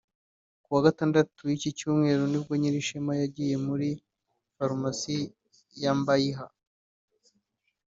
Ku wa Gatatu w’iki cyumweru nibwo Nyirishema yagiye muri Farumasi ya Mbayiha